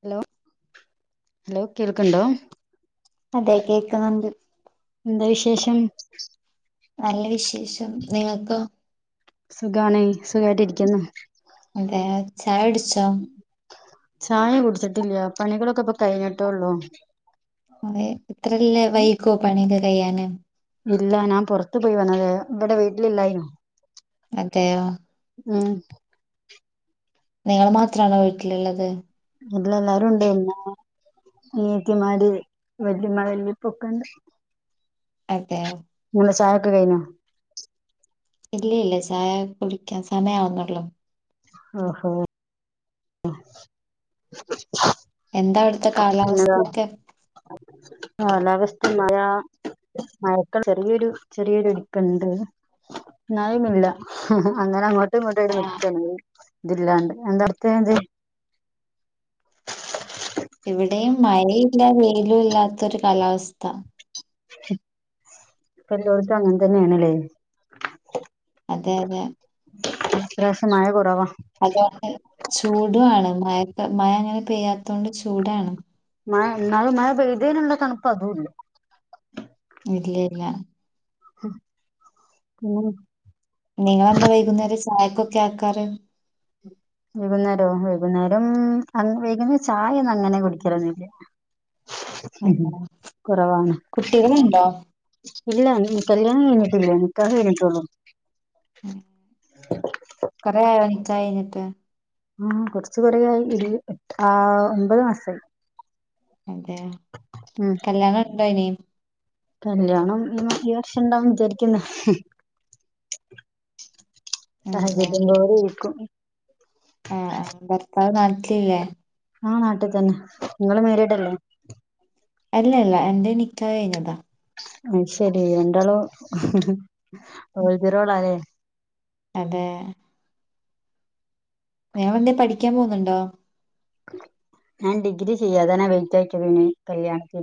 Hello hello കേൾക്ക്ണ്ടോ? അതെ കേക്കുന്നുണ്ട്. എന്താ വിശേഷം നല്ല വിശേഷം നിങ്ങക്കോ- സുഖാണ് സുഖായിട്ട് ഇരിക്കുന്നു. അതെ ചായട് ച്ചോ ചായ കുടിച്ചിട്ടില്ല പണികളൊക്കെ ഇപ്പൊ കഴിഞ്ഞിട്ടേള്ളോ അതെ ഇത്രല്ല വൈക്കുവോ പണിയൊക്കെ കയ്യാന് ഇല്ല ഞാൻ പുറത്തു പോയി വന്നത് ഇവിടെ വീട്ടിലില്ലായിനോ അതെയോ ഉം നിങ്ങൾ മാത്രണോ വീട്ടിലുള്ളത് അല്ല എല്ലാരും ഉണ്ടായിന്നോ അനീത്തിമാര് വല്ലയമ്മ വല്ലിപ്പൊക്കെണ്ട് അതെ ചായൊക്കെ കഴിഞ്ഞോ ഇല്ലല്ല ചായ കുടിക്കാൻ സമയാവുന്നുള്ളു ആഹ്‌ ഹ [unintelligible] ഉം എന്താ അവിടുത്തെ കാലാവസ്ഥയൊക്കെ കാലാവസ്ഥ മഴ മഴക്കൾ ചെറിയൊരു ചെറിയൊരു ഇടുപ്പുണ്ട് നായും ഇല്ല അങ്ങനെ അങ്ങോട്ടുമിങ്ങോട്ടും ഒരു ആഹ് നിപ്പുണ്ട് ഇതില്ലാണ്ട് തെ തെ [unintelligible] ഇവിടെയും മഴയില്ല വെയിലും ഇല്ലാത്തൊരു കാലാവസ്ഥ എല്ലായിടത്തും അങ്ങനെ തന്നെയാണല്ലേ അതെ അതെ ഇത്ര [unintelligible] കുറവാ അതുകൊണ്ട് ചൂടാണ് മഴക്ക മഴ അങ്ങനെ പെയ്യാത്ത കൊണ്ട് ചൂടാണ് മഴ എന്നാലും മഴ പെയ്തേനുള്ള തണുപ്പ് അതും ഇല്ല ഇല്ല ഇല്ല ഉം പിന്നെ നിങ്ങളെന്താ വൈകുന്നേരം ചായക്കൊക്കെ ആക്കാറ് ഉം വൈകുന്നേരവൊ വൈകുന്നേരം വൈകുന്നേരം ചായ ഒന്നും അങ്ങനെ കുടിക്കല് ഒന്നുമില്ല അതെ. കുറവാണ് കുട്ടികളുണ്ടോ ഇല്ല അ കല്യണം കഴിഞ്ഞിട്ടില്ല നിക്കാഹ് കഴിഞ്ഞിട്ടൊള്ളു ഉം കുറേ ആയോ നിക്കാഹ് കഴിഞ്ഞിട്ട് ആ കുറച്ച കൂറേ ആയി ഇത് ആ ഒമ്പത് മാസായി. അതെ ഉം കല്യാണം ണ്ടോ ഇനി. കല്യാണം ഈ വർഷം ഇണ്ടാവുന്ന് വിചാരിക്കണു. സാഹചര്യംപോലെ ഇരിക്കും. [unintelligible] ആഹ ആ ഭർത്താവ് നട്ടില്ലേ? ആഹ് നാട്ടിതന്നെ നിങ്ങള് മേരിടല്ലേ? അല്ല ഇല്ല എന്റെ നിക്കാഹ്‌ ക ഴിഞ്ഞതാ. അത് ശരി രണ്ടാളും ഓൾത റോള ല്ലേ. അതെ. നിഞങ്ങലെന്തെ പഠിക്കാൻ പോകുന്നുണ്ടോ? ഞാൻ ഡിഗ്രി ചെയ്യാതനാ വെറ്റ്യക്കതീണ കല്യാണത്തി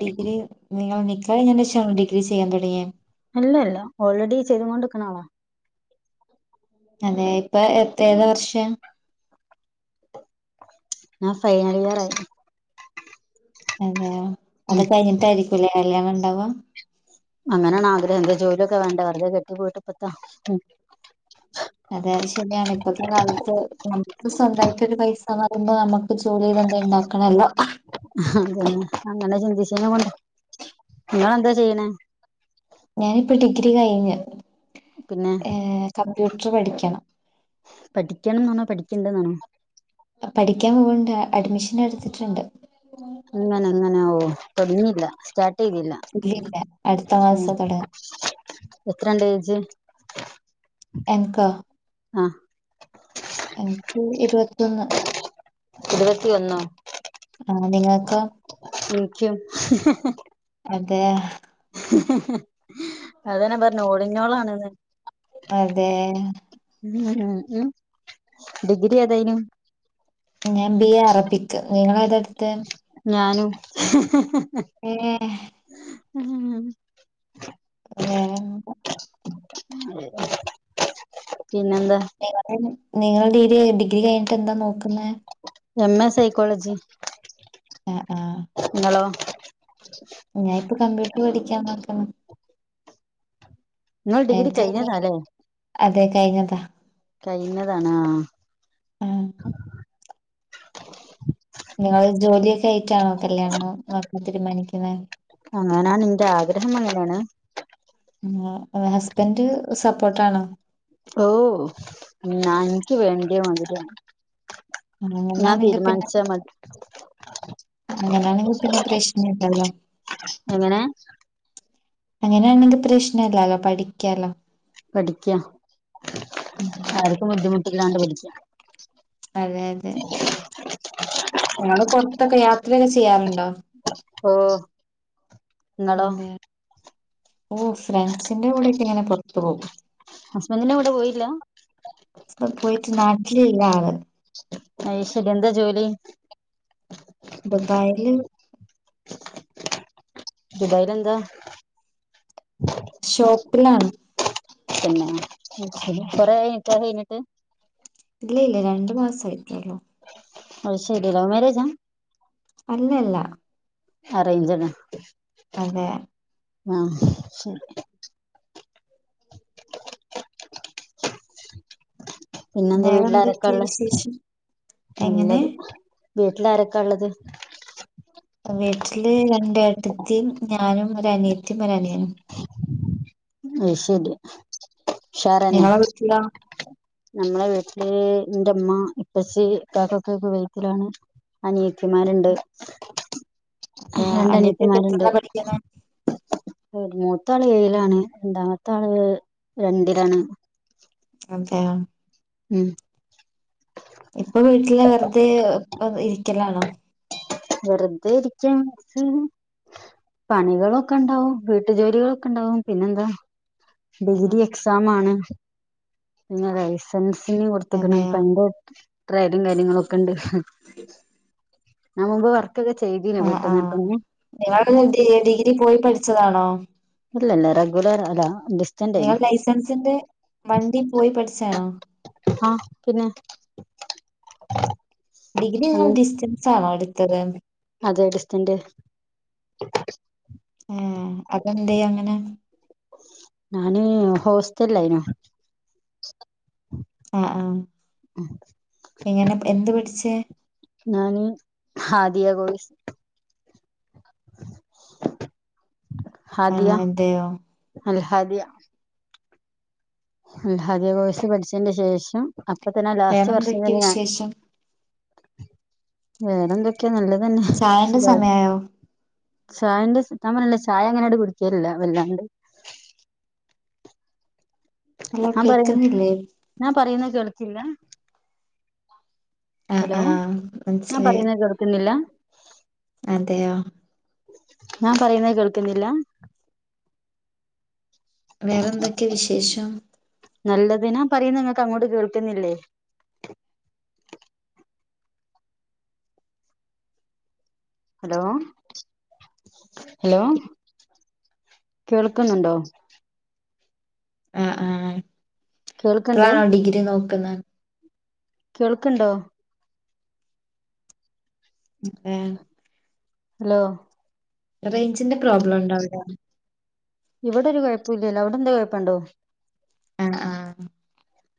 ഡിഗ്രി നിങ്ങൾ നികാഹ് കഴിഞ്ഞതിന് ശേഷണോ ഡിഗ്രി ചെയ്യാൻ തുടങ്ങിയെ. അല്ല ഇല്ല ഓൾറെഡി ചെയ്തൊണ്ട്നിക്കണ ആളാ. അതെ ഇപ്പൊ എത്ര ഏത് വർഷം. ആ ഫൈനൽ ഇയർ ആയി. അതെയ അത് ഉം കഴിഞ്ഞിട്ടായിരിക്കുംല്ലേ കല്യാണം ഇണ്ടാവ. അങ്ങനെയണ ആഗ്രഹം എന്ത ജോലിയൊക്കെ വേണ്ട വെറുതെ കെട്ടി പോയിട്ടപ്പത്താ അതെ ശരിയാണ് ഇപ്പഴത്തെ കാലത്ത് നമുക്ക് സ്വന്തമായിട്ടൊ ഒരു പൈസന്ന് പറയുമ്പോ നമുക്ക് ജോലി ചെയ്ത എ ഉണ്ടാക്കണല്ലോ? അതെ അ. ചന്ന മ [unintelligible] നിങ്ങൾ എന്താ ചെയ്യണേ? ഞാനിപ്പോ ഡിഗ്രി കഴിഞ്ഞു. പിന്നെ ടുടർ പഠിക്കണം. പഠിക്കണംന്നാണോ പഠിക്കണ്ടന്നാണോ? പഠിക്കാൻ പോകണ്ട് അഡ്മിഷൻ എടുത്തിട്ടുണ്ട്. ഇങ്ങന ഇങ്ങനെഓ തൊടങ്ങീല്ല സ്റ്റാ ല്ല ഇല്ലില്ല അടുത്ത മാസം തൊടങ്ങും എത്രണ്ട്ജ് എനക്കൊ ആഹ് എനക്ക് ഇരുപ ഇരുപത്തി ഒന്നോ ആ നിങ്ങക്കോ എനിക്കും. [unintelligible] അതെ. അതന്നെ പറഞ്ഞു ഓലിന്നോളാണ്. അതെ. ഉം ഉ ഡിഗ്രി ഏതായിനു? ഞാൻ ബി എ അറബിക്ക് നിങ്ങള ഏതടുതെ? ഞാനും ഉഏ ഉം ഉഹ ഉ നിങ്ങള നിങ്ങള ഡിഗ്രി കഴിഞ്ഞിട്ട് എന്താ നോക്കുന്നെ? M A psychology. ആഹ് ആഹ് നിങ്ങളോ ഞാൻ ഇപ്പൊ കമ്പ്യൂട്ടർ പഠിക്കാ നോക്കണം. നിങ്ങൾ ഡിഗ്രി എനക്ക് കഴിഞ്ഞതാല്ലേ അതെ കഴിഞ്ഞതാ. കഴിഞ്ഞതാണ് ആ ആ നിങ്ങൾ ജോലിയൊക്കെ ആയിറ്റാണോ കല്യാണോ നോക്കാൻ തീരുമാനിക്കുന്നെ അങ്ങനാണ് നിന്റെ ആഗ്രഹം അങ്ങനാണ് ഹസ്ബൻഡ് സപ്പോർട്ടാണോ ഓ ഞ എനിക്ക് വേണ്ടിയ [unintelligible] ഞാൻ അങ്ങനാണെങ്കി പിന്നെ തീരുമാനിച്ച മതി അങ്ങനാണെങ്കി പിന്നെ പ്രശ്നണ്ടാലോ എങ്ങനെ അങ്ങനെയാണെങ്കിൽ പ്രശ്നല്ലാലോ പഠിക്കാലോ പഠിക്ക ഉം ആർക്കും ബുദ്ധിമുട്ടില്ലാണ്ട് പഠിക്ക അതെ അതെ ആ ഞങ്ങള് പൊറത്തൊക്കെ യാത്രയൊക്കെ ചെയ്യാറുണ്ടോ ഓ ങ്ങളോ അതെ ഓ ഫ്രൻസിന്റെ കൂടെക്ക ഇങ്ങനെ പുറത്തു പോകും ഹസ്ബൻഡിന്റെ കൂടെ പോയില്ല അപ്പൊ പോയിട്ട് നാട്ടിലല്ല ആള് ശരി എന്താ ജോലി ദുബായില് ദുബായിലെന്താ ഷോപ്പിലാണ് പിന്നെ കൊറെയായി നിക്കാഹ് കഴിഞ്ഞിട്ട് ഇല്ല ഇല്ല രണ്ടു മാസയിട്ടല്ലോ അത് ശരി ലൗ മരേജാ അല്ല അല്ല അറേഞ്ച്ഡ് ആണ് അതെ ആ ശരി പിന്നെന്താ വീട്ടിലാരൊക്കാ വേറെന്തൊക്കെയാ ഉള്ള വിശേഷം എങ്ങനെ നല്ലത് വീട്ടിലാരൊക്കാള്ളത് വീട്ടില് രണ്ടേട്ടത്തിയും ഞാനും ഒരു അനിയത്തിയും ഒരനിയനും അ ശരിയാ നിങ്ങടെ വീട്ടിലാ നമ്മളെ വീട്ടില് എന്റെമ്മ ഇപ്പച്ചി കാക്കൊക്കെക്കെ [unintelligible] അനിയത്തിമാരുണ്ട് അതെയോ രണ്ട് അനിയത്തിയൊക്കെ അനിയത്തിമാരുണ്ട് എത്രയിലാ പഠിക്കുന്നെ ഒരു മൂത്ത ആള് ഏഴിലാണ് രണ്ടാമത്താള് രണ്ടിലാണ് അതെയോ ഉം ഇപ്പൊ വീട്ടില് വെറുതെ ഇരിക്കലാണോ വെറുതെ ഇരിക്കാൻ മസ പണികളൊക്കെ ഉണ്ടാവും വീട്ടു ജോലികളൊക്കെ ഉണ്ടാവും പിന്നെന്താ ആ, ആ. ഡിഗ്രി എക്സാം ആണ് പിന്നെ ലൈസൻസ് കൊടുത്തക്കണ് അതെയോ പന്റെ [unintelligible] കാര്യങ്ങളും ഒക്കെ ഇണ്ട് ഞാൻ മുമ്പ് വർ ആ ആഹ് നിങ്ങ ഡ ഡിഗ്രി പോയി പഠിച്ചതാണോ ഇല്ലല്ല റെഗ്യുലർ അ അതാ നിങ്ങ ലൈസൻസിന്റെ വണ്ടി പോയി പഠിച്ചതാണോ ആ പിന്നെ ഡിഗ്രി നിങ്ങൾ അങ്ങനെ ഡിസ്റ്റൻസ് ആണോ എടുത്തത് അതെ ഡിസ്റ്റൻ്റ് ആ അതെന്തെ അങ്ങനെ ഞാന് ഹോസ്റ്റല്ലായിനു ആഹ ആ ഇങ്ങനെ എന്ത് പടിച്ചേ ഞാന ആദിയ കോോഴസ് ആഹ അതെയോ അല്ലഹ അതിയ അല്ല അതെ കോശ പഠിച്ചേന്റെ ശേഷം അപ്പൊ തന്നെ ലാസ്റ്റ് വർഷം വേറെന്തൊക്കെയ തന്നെ ഞാൻ വിശേഷം? വേറെന്ത ഒക്കെ നല്ലതന്നെ ചായന്റെ സുഖാര് സമയായോ? ചായന്റെി താൻ പറല്ല ചായ അങ്ങനെട് കുടിക്കലല്ല വല്ലാണ്ട് ഹലോ ഞാൻ പറയുന്ന കേക്കുന്നില്ലേ? ഞാൻ പറയുന്ന കേൾക്കില്ല ആഹ് ഹലോ ആഹ് ഞാൻ മനസ്സിലായി പറയുന്നത് കേർക്കുന്നില്ല അതെയോ ഞാൻ പറയുന്നത് കേൾക്കുന്നില്ല വേറെന്തൊക്കെ വിശേഷം നല്ലതിനാ പറയുന്നു നിങ്ങക്ക് അങ്ങോട്ട് കേൾക്കുന്നില്ലേ ഹലോ ഹലോ കേൾക്കുന്നുണ്ടോ ആ ആ കേൾക്കണ്ട് ഇപ്പഴാണോ ഡിഗ്രി നോക്കുന്ന കേൾക്കണ്ടോ ഏ ഹലോ റേഞ്ചിന്റെ പ്രോബ്ലം ഉണ്ടോ അവിടെ ഇവിടെ ഒരു കുഴപ്പഇല്ലല്ലോ അവിടെ എന്തോ കുഴപ്പുണ്ടോ ആ ആ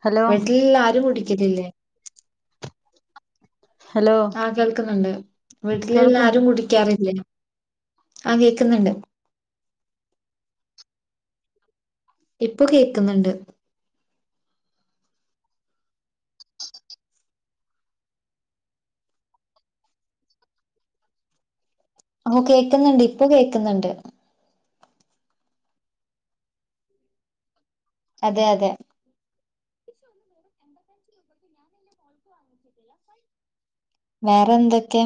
ഹലോ വീട്ടിലല്ലാരും കുടിക്കലില്ലേ ഹലോ ആ കേൾക്കുന്നുണ്ട് വീട്ടിൽ കേൾക്ക എല്ലാരും കുടിക്കാറില്ലേ ആ കേക്കുന്നുണ്ട് ഇപ്പൊ കേക്കുന്നുണ്ട് ഓ കേൾക്കുന്നുണ്ട് ഇപ്പോ കേക്കുന്നുണ്ട് അതെ അതെ വേറെന്തൊക്കെ